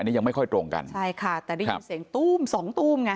นี่ยังไม่ค่อยตรงกันใช่ค่ะแต่ได้ยินเสียงตู้มสองตู้มไง